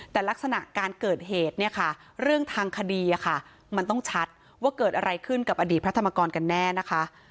แต่ลักษณะการเกิดเหตุเนี่ยค่ะเรื่องทางคดีมันต้องชัดว่าเกิดอะไรขึ้นกับอดีตพระธรรมกรกันแน่นะคะ